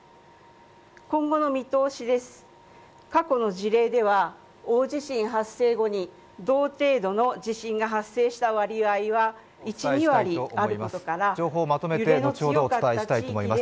今後の見通しです過去の事例では大地震発生後に同程度の地震が発生した割合は１２割あることから、揺れの強かった地域では情報をまとめて後ほどお伝えしたいと思います。